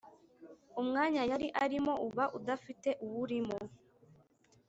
umwanya yari arimo uba udafite uwurimo